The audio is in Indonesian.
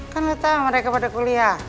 kan lo tau mereka pada kuliah